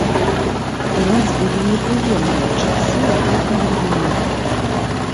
У нас былі непрыемныя часы ў гэтыя дні.